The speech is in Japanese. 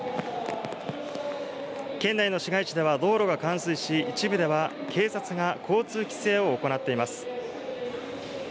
県内の市街地では道路は冠水し、一部、警察が交通規制を行っています。